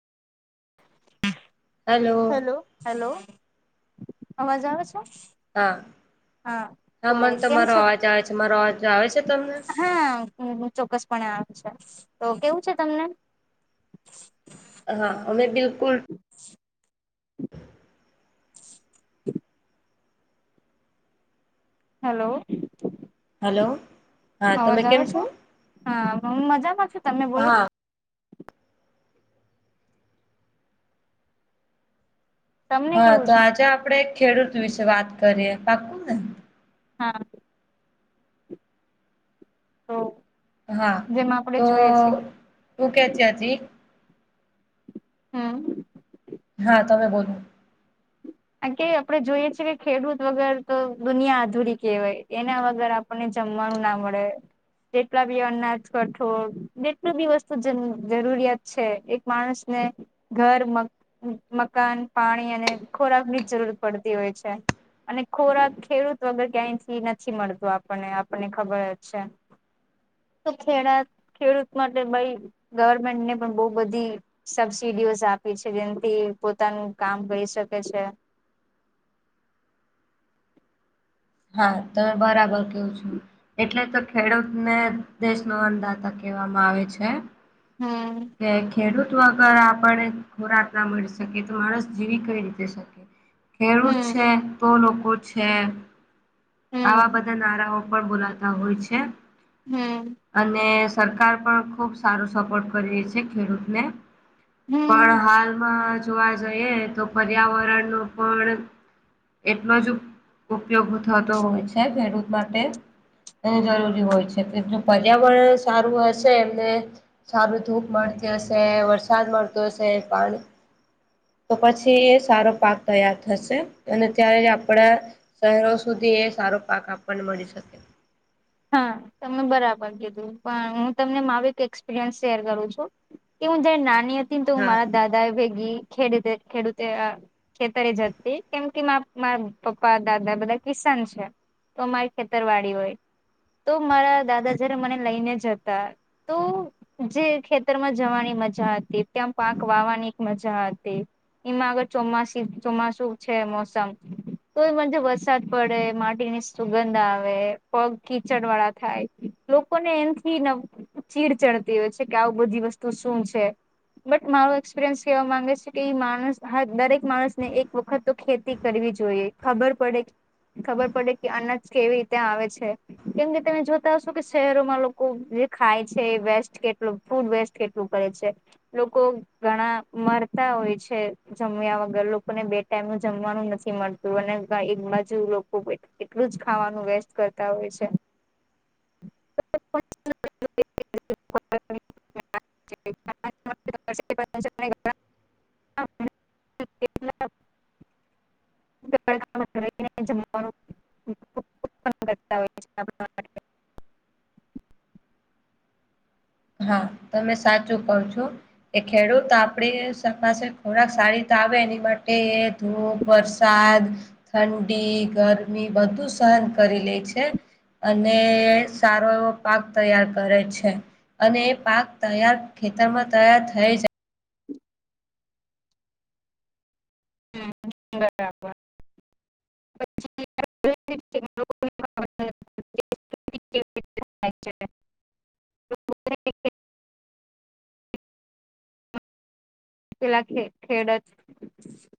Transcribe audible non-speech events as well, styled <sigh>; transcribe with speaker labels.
Speaker 1: Hello
Speaker 2: hello, hello, અવાજ આવે છે?
Speaker 1: હા,
Speaker 2: હા
Speaker 1: હા,
Speaker 2: તો
Speaker 1: મને
Speaker 2: કેમ
Speaker 1: તમારો
Speaker 2: છે
Speaker 1: અવાજ આવે છે મારો અવાજ આવે છે. તમને?
Speaker 2: હા, ચોક્કસપણે આવે છે. તો કેવું છે તમને
Speaker 1: હા, અમે બિલકુલ. <inaudible>
Speaker 2: <inaudible> હલો
Speaker 1: હલો હા તમે
Speaker 2: અવાજ
Speaker 1: કેમ
Speaker 2: આવે છે?
Speaker 1: છો
Speaker 2: હા હું મજામાં છું તમે બોલ.
Speaker 1: હા
Speaker 2: તમને
Speaker 1: હા
Speaker 2: કેવું
Speaker 1: તો
Speaker 2: છે
Speaker 1: આજે આપણે એક ખેડૂત વિશે વાત કરીયએ પાકું ને.
Speaker 2: હા. તો
Speaker 1: હા
Speaker 2: જેમાં આપડે
Speaker 1: તો
Speaker 2: જોઈએ છે કે
Speaker 1: હું કે છે હજી
Speaker 2: હમમ.
Speaker 1: ના તમે બ્લુ
Speaker 2: એમ કે આપણે જોઈએ છીએ કે ખેડૂત વગર તો દુનિયા અધુરી કહેવાય એના વગર આપ આપણને જમવાનું ના મળે. જેટલા બી અનાજ, કઠોળ જેટલું બી વસ્તુ જરુરી જરૂરિયાત છે એક માણસને ઘર, મ મકાન, પાણી અને ખોરાક ની જ જરૂર પડતી હોય છે. અને ખોરાક ખેડૂત વગર ક્યાંયથી નથી મળતો આપણને આપણને ખબર જ છે. તો ખેડા ખેડૂત માટે ભાઈ ગવર્મેન્ટને પણ બો બધી સબસીડીઓઝ આપે છે જેમકે પોતાનું કામ લય શકે છે.
Speaker 1: હા તમે બરાબર કેવ છો. એટલે તો ખેડૂતને દેશનો અન્નદાતા કહેવામાં આવે છે.
Speaker 2: હા.
Speaker 1: કે ખેડૂત વગર આપણે ખોરાક ના મળી શકે તો માણસ જીવી કઈ રીતે શકે. ખેડૂત
Speaker 2: હમ
Speaker 1: છે તો લોકો છે. આવા
Speaker 2: હમ
Speaker 1: બધા નારાઓ પણ બોલાતા હોય છે.
Speaker 2: હમમ.
Speaker 1: અને સરકાર પણ ખુબ સારો સપોર્ટ કરી રહી છે ખેડૂતને.
Speaker 2: હમ
Speaker 1: પણ હાલમાં જોવા જઈએ તો પર્યાવરણનો પણ એટલો જ ઉપ ઉપયોગ થતો હોય છે ખેડૂત માટે એ જરૂરી હોય છે જેટલું પર્યાવરણ સારું હશે એટલે સારું ધૂપ મળતી હશે, વરસાદ મળતો હશે, પાણી તો પછી એ સારો પાક તૈયાર થશે અને ત્યારે જ આપણે શહેરો સુધી એ સારો પાક આપણને મળી શકે.
Speaker 2: હા તમે બરાબર કીધું પણ હું તમને મારું એક એક્સપિરિયન્સ શેર કરું છું. કે હું જયારે નાની હતી ને તો હું
Speaker 1: હા
Speaker 2: મારા દાદા ભેગી ખેડતે ખેડૂતે અ ખેતરે જતી કેમ કે મ મારા પપ્પા, દાદા બધા કિસાન છે. તો અમારી ખેતર વાડી હોય. તો મારા દાદા જયારે મને લઈને જતા તો જે ખેતર માં જવાની મજા હતી તેમ પાક વાવવાની એક મજા હતી. એમાં આગળ ચોમાસી ચોમાસુ છે મોસમ. <unintelligible> વરસાદ પડે, માટીની સુગંધ આવે પગ કિચડવાળા થાય લોકોને એમથી નવ ચીડ ચડતી હોય છે કે આવું બધી વસ્તુ શું છે? બટ મારો એક્સપિરિયન્સ કેહેવા માંગે છે કે ઇ માણસ હત દરેક માણસ ને એક વખત તો ખેતી કરવી જોઈએ ખબર પડે, ખબર પડે કે અનાજ કેવી રીતે આવે છે. કેમ કે તમે જોતા હશો કે શહેરોમાં લોકો જે ખાય છે એ વેસ્ટ કેટલું, ફૂડ વેસ્ટ કેટલું કરે છે. લોકો ઘણા મરતા હોય છે. જમ્યા વગર લોકોને બે ટાઈમ નું જમવાનું નથી મળતું અને ભાઈ એક બાજુ લોકો બેઠ એટલું જ ખાવાનું વેસ્ટ કરતા હોય છે. <unintelligible> <unintelligible> <unintelligible> <unintelligible> <unintelligible>
Speaker 1: ના તને સાચુ કવ છુ. એ ખેડૂત આપડી પાસે ખોરાક સારી રીતે આવે, એની માટે. ધૂપ વરસાદ ઠંડી ગરમી બધું સહન કરી લે છે. અને સારો એવો પાક તૈયાર કરે છે. અને એ પાક તૈયાર ખેતરમાં તૈયાર થઈ જાય.
Speaker 2: બરાબર પછી <unintelligible> <unintelligible> પેલા ખે ખેડત